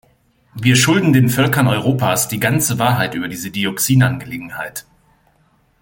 Wir schulden den Völkern Europas die ganze Wahrheit über diese Dioxin-Angelegenheit.